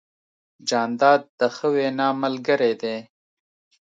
جانداد د ښه وینا ملګری دی.